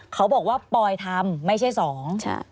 เขาบอกว่าปอยทำไม่ใช่สอง